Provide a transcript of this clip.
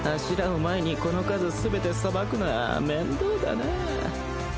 柱を前にこの数全てさばくのは面倒だなぁ